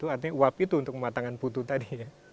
artinya uap itu untuk mematangkan putu tadi ya